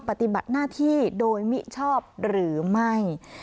ปฏิบัติหน้าที่โดยมิชอบหรือไม่